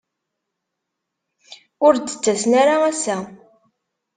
Ur d-ttasen ara ass-a.